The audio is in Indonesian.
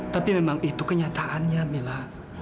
tapi memang itu kenyataannya mila